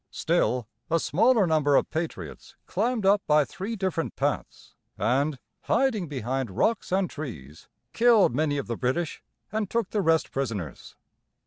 Still, a smaller number of patriots climbed up by three different paths, and, hiding behind rocks and trees, killed many of the British, and took the rest prisoners.